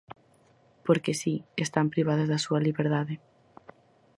Porque si, están privadas da súa liberdade.